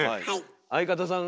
相方さん